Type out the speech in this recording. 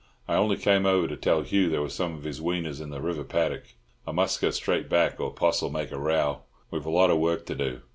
I only came over to tell Hugh there were some of his weaners in the river paddock. I must go straight back, or Poss'll make a row. We've a lot of work to do."